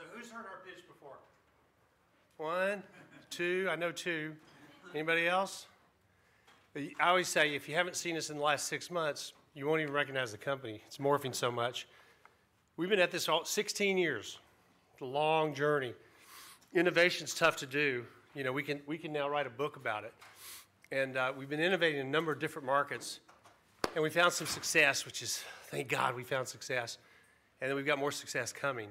Yeah. Who's heard our pitch before? One, two. I know two. Anybody else? I always say, if you haven't seen us in the last six months, you won't even recognize the company. It's morphing so much. We've been at this all 16 years. It's a long journey. Innovation's tough to do. We can now write a book about it. We've been innovating in a number of different markets. We found some success, which is, thank God, we found success. We've got more success coming.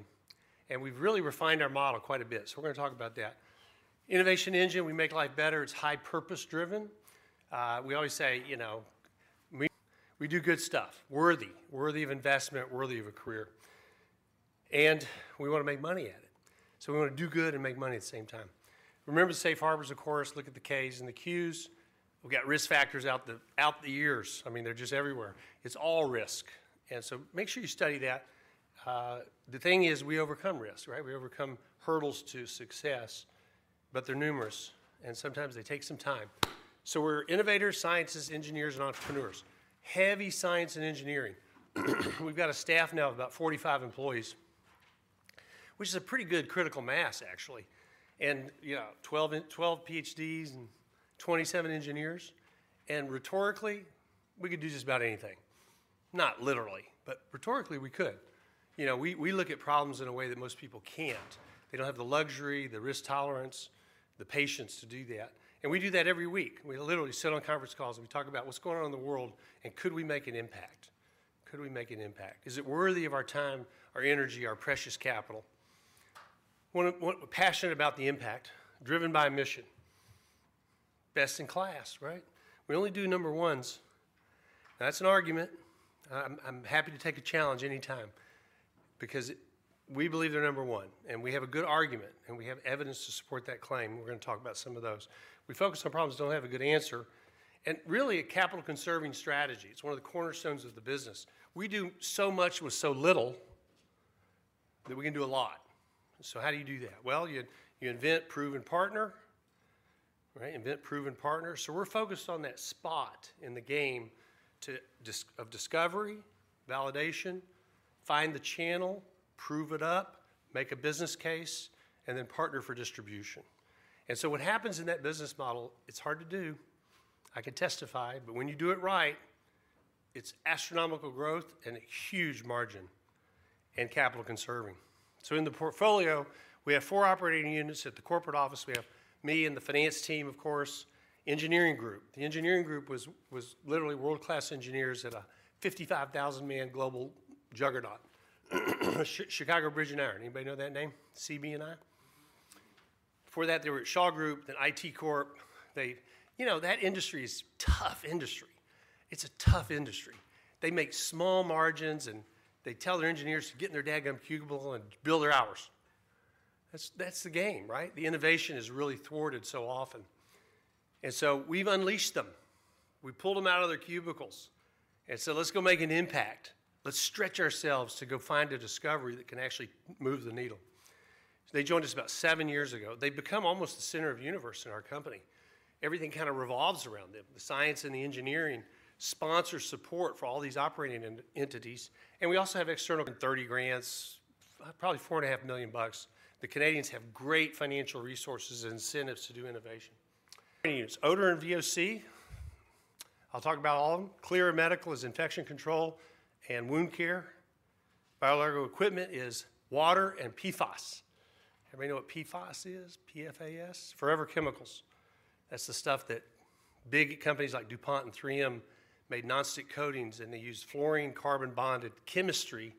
We've really refined our model quite a bit. We're going to talk about that. Innovation Engine, we make life better. It's high purpose-driven. We always say, "We do good stuff. Worthy. Worthy of investment. Worthy of a career." We want to make money at it. We want to do good and make money at the same time. Remember the safe harbors, of course. Look at the Ks and the Qs. We've got risk factors out the ears. I mean, they're just everywhere. It's all risk. Make sure you study that. The thing is, we overcome risk, right? We overcome hurdles to success, but they're numerous. Sometimes they take some time. We are innovators, scientists, engineers, and entrepreneurs. Heavy science and engineering. We've got a staff now of about 45 employees, which is a pretty good critical mass, actually. And 12 PhDs and 27 engineers. Rhetorically, we could do just about anything. Not literally, but rhetorically, we could. We look at problems in a way that most people can't. They don't have the luxury, the risk tolerance, the patience to do that. We do that every week. We literally sit on conference calls and we talk about what's going on in the world and could we make an impact? Could we make an impact? Is it worthy of our time, our energy, our precious capital? We're passionate about the impact, driven by mission. Best in class, right? We only do number ones. Now, that's an argument. I'm happy to take a challenge anytime because we believe they're number one. And we have a good argument. And we have evidence to support that claim. We're going to talk about some of those. We focus on problems that don't have a good answer. And really, a capital-conserving strategy. It's one of the cornerstones of the business. We do so much with so little that we can do a lot. So how do you do that? You invent, prove, and partner. Invent, prove, and partner. We're focused on that spot in the game of discovery, validation, find the channel, prove it up, make a business case, and then partner for distribution. What happens in that business model, it's hard to do. I can testify. When you do it right, it's astronomical growth and a huge margin and capital-conserving. In the portfolio, we have four operating units at the corporate office. We have me and the finance team, of course. Engineering group. The engineering group was literally world-class engineers at a 55,000-man global juggernaut, Chicago Bridge & Iron. Anybody know that name? CB&I? Before that, they were at Shaw Group, then IT Corp. That industry is a tough industry. It's a tough industry. They make small margins and they tell their engineers to get in their dadgum cubicle and build their hours. That's the game, right? The innovation is really thwarted so often. We have unleashed them. We pulled them out of their cubicles. Let's go make an impact. Let's stretch ourselves to go find a discovery that can actually move the needle. They joined us about seven years ago. They have become almost the center of the universe in our company. Everything kind of revolves around them. The science and the engineering sponsor support for all these operating entities. We also have external. 130 grants, probably $4.5 million. The Canadians have great financial resources and incentives to do innovation. Units. Odor and VOC. I'll talk about all of them. Clyra Medical Technologies is infection control and wound care. BioLargo Equipment is water and PFAS. Everybody know what PFAS is? P-F-A-S. Forever chemicals. That's the stuff that big companies like DuPont and 3M made nonstick coatings. They use fluorine carbon bonded chemistry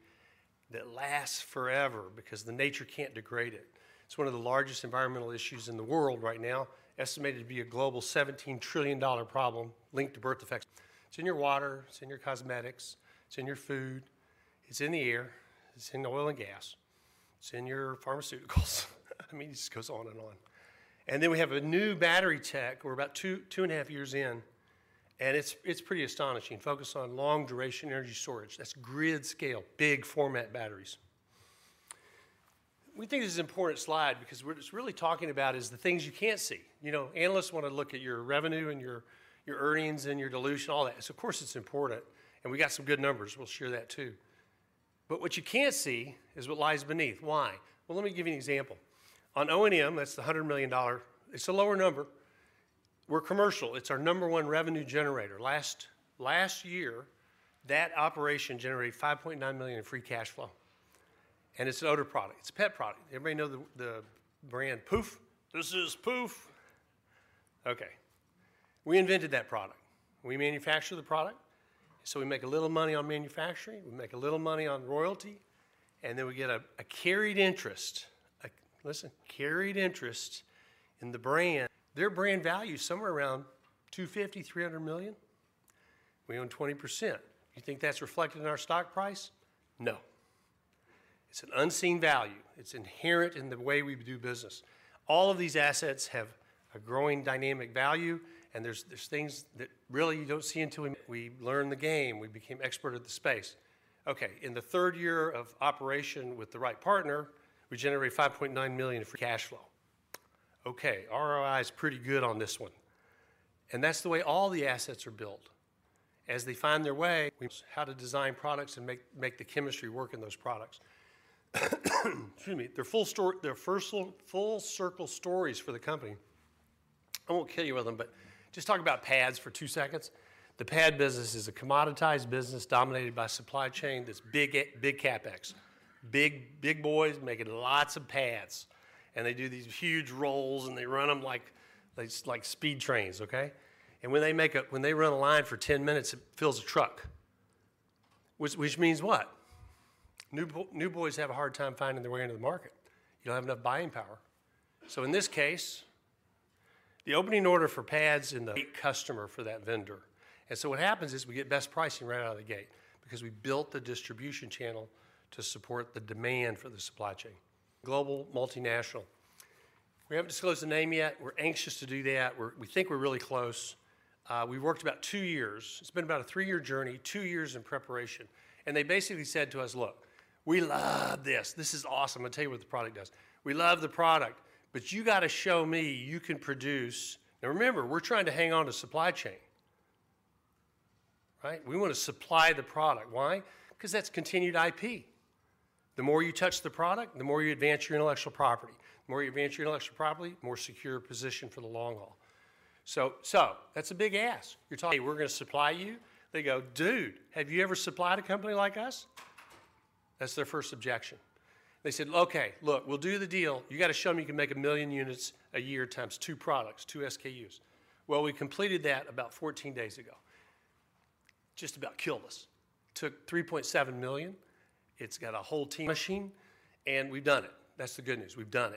that lasts forever because nature can't degrade it. It's one of the largest environmental issues in the world right now, estimated to be a global $17 trillion problem linked to birth. It's in your water. It's in your cosmetics. It's in your food. It's in the air. It's in oil and gas. It's in your pharmaceuticals. I mean, it just goes on and on. We have a new battery tech. We're about two and a half years in. And it's pretty astonishing. Focus on long-duration energy storage. That's grid scale, big format batteries. We think this is an important slide because what it's really talking about is the things you can't see. Analysts want to look at your revenue and your earnings and your dilution, all that. Of course, it's important. And we got some good numbers. We'll share that too. What you can't see is what lies beneath. Why? Let me give you an example. On ONM, that's the $100 million. It's a lower number. We're commercial. It's our number one revenue generator. Last year, that operation generated $5.9 million in free cash flow. It's an odor product. It's a pet product. Everybody know the brand POOPH? This is POOPH. We invented that product. We manufacture the product. We make a little money on manufacturing. We make a little money on royalty. Then we get a carried interest. Listen, carried interest in the brand. Their brand value is somewhere around $250 million-$300 million. We own 20%. You think that's reflected in our stock price? No. It's an unseen value. It's inherent in the way we do business. All of these assets have a growing dynamic value. There's things that really you don't see until. We learned the game. We became expert at the space. Okay. In the third year of operation with the right partner, we generated $5.9 million in free cash flow. Okay. ROI is pretty good on this one. That's the way all the assets are built. As they find their way. How to design products and make the chemistry work in those products. Excuse me. They're full circle stories for the company. I won't kill you with them, but just talk about pads for two seconds. The pad business is a commoditized business dominated by supply chain that's big CapEx. Big boys making lots of pads. They do these huge rolls and they run them like speed trains, okay? When they run a line for 10 minutes, it fills a truck. Which means what? New boys have a hard time finding their way into the market. You don't have enough buying power. In this case, the opening order for pads is in. Great customer for that vendor. What happens is we get best pricing right out of the gate because we built the distribution channel to support the demand for the supply chain. Global multinational. We haven't disclosed the name yet. We're anxious to do that. We think we're really close. We worked about two years. It's been about a three-year journey, two years in preparation. They basically said to us, "Look, we love this. This is awesome. I'll tell you what the product does. We love the product, but you got to show me you can produce." Now, remember, we're trying to hang on to supply chain, right? We want to supply the product. Why? Because that's continued IP. The more you touch the product, the more you advance your intellectual property. The more you advance your intellectual property, the more secure position for the long haul. That's a big ask. You're talking, "Hey, we're going to supply you." They go, "Dude, have you ever supplied a company like us?" That's their first objection. They said, "Okay. Look, we'll do the deal. You got to show me you can make a million units a year times two products, two SKUs." We completed that about 14 days ago. Just about killed us. Took $3.7 million. It's got a whole team machine. We've done it. That's the good news. We've done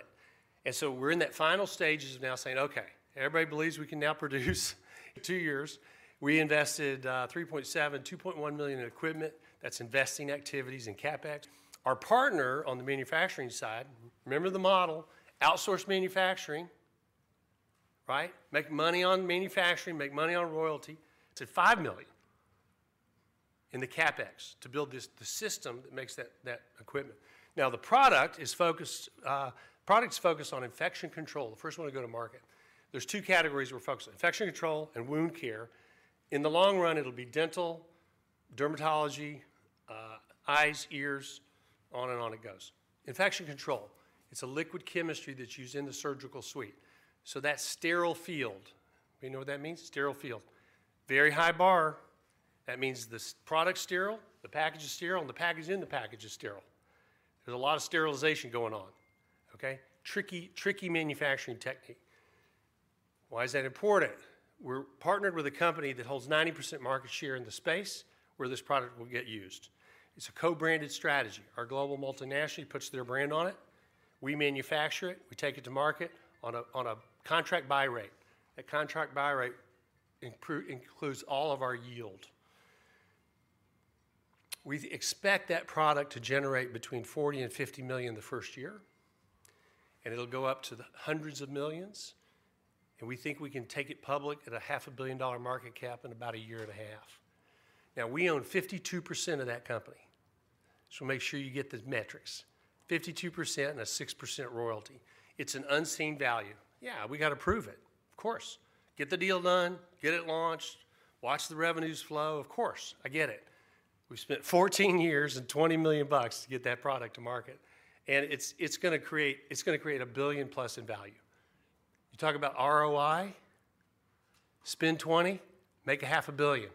it. We're in that final stage of now saying, "Okay. Everybody believes we can now produce." Two years. We invested $3.7 million, $2.1 million in equipment. That's investing activities in CapEx. Our partner on the manufacturing side, remember the model, outsource manufacturing, right? Make money on manufacturing, make money on royalty. It's at $5 million in the CapEx to build the system that makes that equipment. Now, the product is focused on infection control, the first one to go to market. There's two categories we're focused on: infection control and wound care. In the long run, it'll be dental, dermatology, eyes, ears, on and on it goes. Infection control. It's a liquid chemistry that's used in the surgical suite. That sterile field, you know what that means? Sterile field. Very high bar. That means the product's sterile, the package is sterile, and the package in the package is sterile. There's a lot of sterilization going on, okay? Tricky manufacturing technique. Why is that important? We're partnered with a company that holds 90% market share in the space where this product will get used. It's a co-branded strategy. Our global multinational puts their brand on it. We manufacture it. We take it to market on a contract buy rate. That contract buy rate includes all of our yield. We expect that product to generate between $40 million and $50 million the first year. It will go up to hundreds of millions. We think we can take it public at a $500 million market cap in about a year and a half. Now, we own 52% of that company. Make sure you get the metrics. 52% and a 6% royalty. It's an unseen value. Yeah, we got to prove it. Of course. Get the deal done. Get it launched. Watch the revenues flow. Of course. I get it. We spent 14 years and $20 million to get that product to market. It's going to create a billion-plus in value. You talk about ROI, spend $20 million, make $500 million.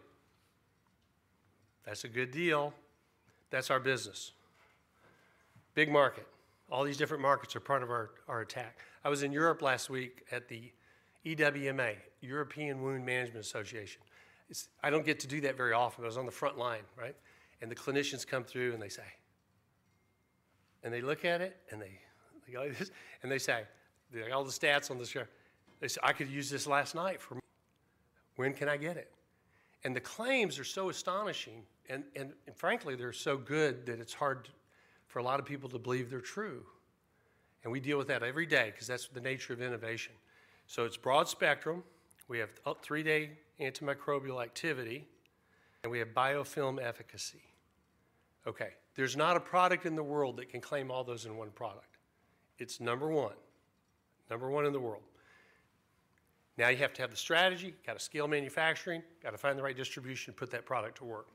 That's a good deal. That's our business. Big market. All these different markets are part of our attack. I was in Europe last week at the EWMA, European Wound Management Association. I don't get to do that very often. I was on the front line, right? The clinicians come through and they say and they look at it and they go, "All right." They say, "All the stats on this here." They say, "I could use this last night for. When can I get it?" The claims are so astonishing. Frankly, they're so good that it's hard for a lot of people to believe they're true. We deal with that every day because that's the nature of innovation. It is broad spectrum. We have three-day antimicrobial activity. We have biofilm efficacy. There is not a product in the world that can claim all those in one product. It is number one. Number one in the world. You have to have the strategy. You have to scale manufacturing. You have to find the right distribution to put that product to work.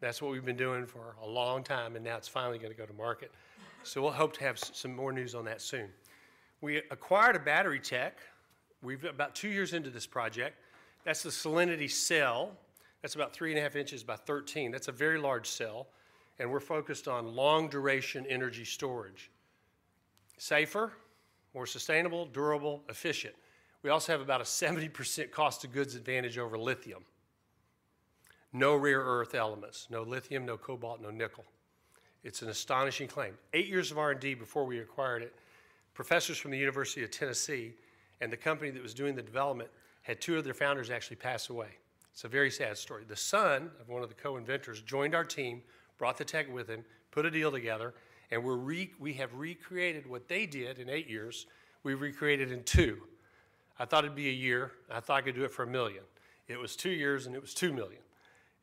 That is what we have been doing for a long time. Now it is finally going to go to market. We hope to have some more news on that soon. We acquired a battery tech. We have been about two years into this project. That is the Cellinity cell. That is about 3.5 inches, about 13. That is a very large cell. We are focused on long-duration energy storage. Safer, more sustainable, durable, efficient. We also have about a 70% cost of goods advantage over lithium. No rare earth elements. No lithium, no cobalt, no nickel. It's an astonishing claim. Eight years of R&D before we acquired it. Professors from the University of Tennessee and the company that was doing the development had two of their founders actually pass away. It's a very sad story. The son of one of the co-inventors joined our team, brought the tech with him, put a deal together. We have recreated what they did in eight years. We recreated in two. I thought it'd be a year. I thought I could do it for $1 million. It was two years and it was $2 million.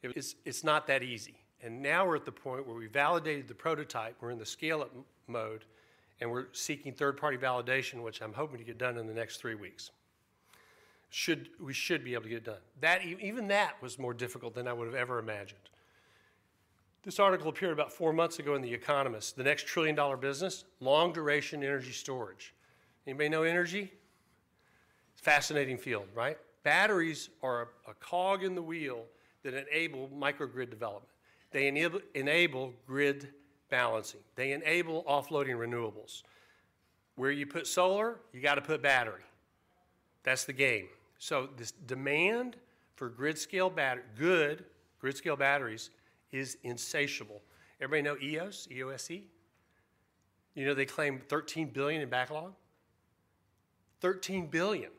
It's not that easy. Now we're at the point where we validated the prototype. We're in the scale-up mode. We're seeking third-party validation, which I'm hoping to get done in the next three weeks. We should be able to get it done. Even that was more difficult than I would have ever imagined. This article appeared about four months ago in The Economist. The next trillion-dollar business, long-duration energy storage. Anybody know energy? It's a fascinating field, right? Batteries are a cog in the wheel that enable microgrid development. They enable grid balancing. They enable offloading renewables. Where you put solar, you got to put battery. That's the game. This demand for good grid-scale batteries is insatiable. Everybody know Eos? EOSE? You know they claimed $13 billion in backlog? $13 billion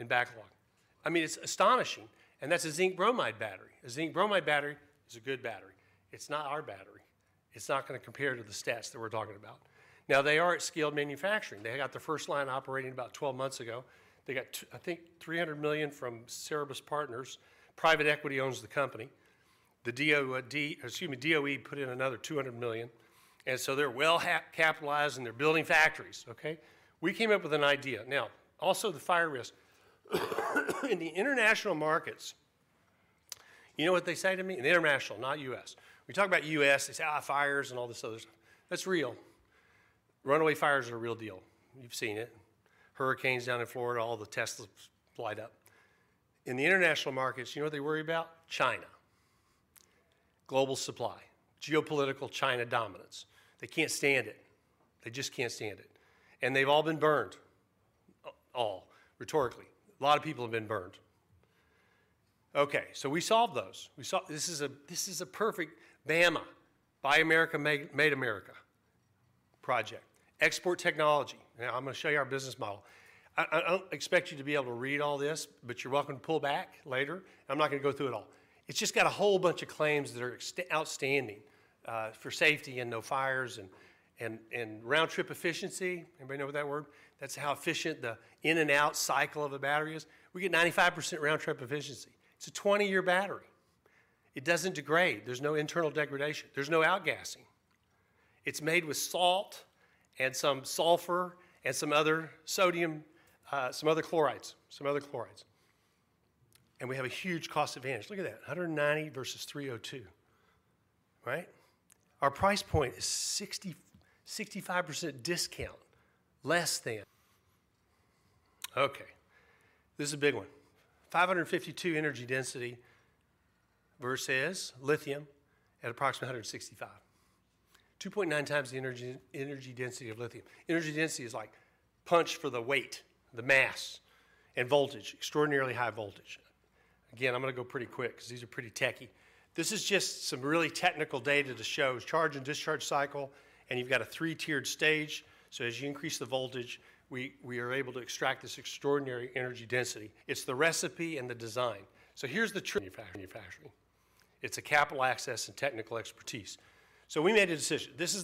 in backlog. I mean, it's astonishing. That's a zinc bromide battery. A zinc bromide battery is a good battery. It's not our battery. It's not going to compare to the stats that we're talking about. Now, they are at scale manufacturing. They got the first line operating about 12 months ago. They got, I think, $300 million from Cerberus Partners. Private equity owns the company. The DOE put in another $200 million. They are well capitalized and they are building factories, okay? We came up with an idea. Now, also the fire risk. In the international markets, you know what they say to me? In the international, not U.S. We talk about U.S., they say, fires and all this other stuff. That's real. Runaway fires are a real deal. You've seen it. Hurricanes down in Florida, all the Teslas light up. In the international markets, you know what they worry about? China. Global supply. Geopolitical China dominance. They can't stand it. They just can't stand it. They have all been burned. All, rhetorically. A lot of people have been burned. Okay. We solved those. This is a perfect BAMA, Buy America Made America project. Export technology. Now, I'm going to show you our business model. I don't expect you to be able to read all this, but you're welcome to pull back later. I'm not going to go through it all. It's just got a whole bunch of claims that are outstanding for safety and no fires and round-trip efficiency. Anybody know what that word? That's how efficient the in-and-out cycle of a battery is. We get 95% round-trip efficiency. It's a 20-year battery. It doesn't degrade. There's no internal degradation. There's no outgassing. It's made with salt and some sulfur and some other sodium, some other chlorides. Some other chlorides. And we have a huge cost advantage. Look at that. 190 versus 302, right? Our price point is 65% discount less than. Okay. This is a big one. 552 energy density versus lithium at approximately 165. 2.9x the energy density of lithium. Energy density is like punch for the weight, the mass, and voltage. Extraordinarily high voltage. Again, I'm going to go pretty quick because these are pretty techy. This is just some really technical data to show. Charge and discharge cycle, and you've got a three-tiered stage. As you increase the voltage, we are able to extract this extraordinary energy density. It's the recipe and the design. Here's the manufacturing. It's a capital access and technical expertise. We made a decision. This.